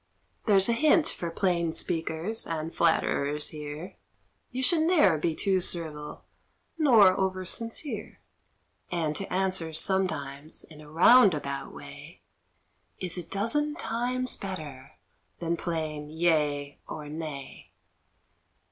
There's a hint for plain speakers and flatterers here You should ne'er be too servile nor over sincere; And to answer sometimes in a round about way, Is a dozen times better than plain yea or nay.